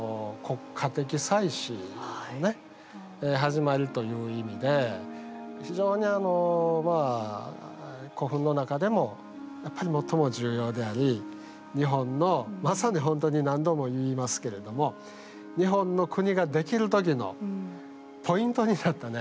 そうなんですよ。という意味で非常にまあ古墳の中でもやっぱり最も重要であり日本のまさにほんとに何度も言いますけれども日本の国ができる時のポイントになったね